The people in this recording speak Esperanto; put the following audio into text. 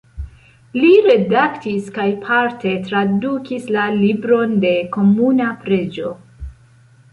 Li redaktis kaj parte tradukis "La Libron de Komuna Preĝo.